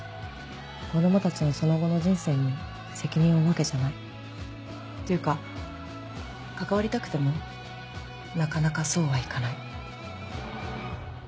子供たちのその後の人生に責任を負うわけじゃない。というか関わりたくてもなかなかそうはいかない。